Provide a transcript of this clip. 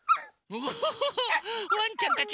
ワンちゃんたちも？